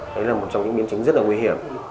đấy là một trong những biến chứng rất là nguy hiểm